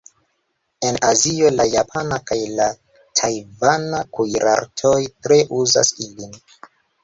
En Azio, la japana kaj la tajvana kuirartoj tre uzas ilin.